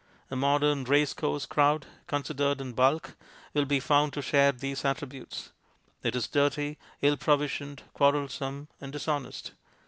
A modern racecourse crowd, considered in bulk, will be found to share these attributes. It is dirty, ill provisioned, quarrelsome, and dishonest.